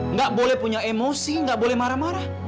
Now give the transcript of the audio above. nggak boleh punya emosi nggak boleh marah marah